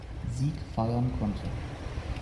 Sieg feiern konnte.